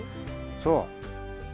そう。